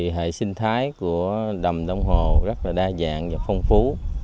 hệ sinh thái của đầm đông hồ rất là đa dạng và phong phú